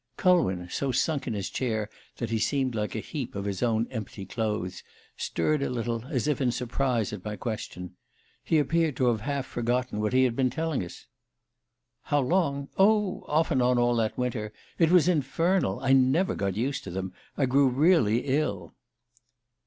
Culwin, so sunk into his chair that he seemed like a heap of his own empty clothes, stirred a little, as if in surprise at my question. He appeared to have half forgotten what he had been telling us. "How long? Oh, off and on all that winter. It was infernal. I never got used to them. I grew really ill."